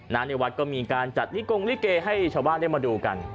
นั้นเนี่ยวัดก็มีการจัดลิกรงลิเกให้ชาวบ้านเล่นมาดูกัน